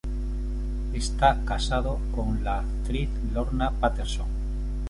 Está casado con la actriz Lorna Patterson.